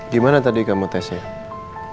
gimana tadi kamu tesnya